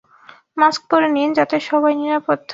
Mask পড়ে নিন যাতে সবাই নিরাপদ থাকে।